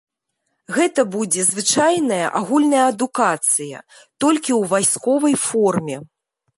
Гэта будзе звычайная агульная адукацыя, толькі ў вайсковай форме.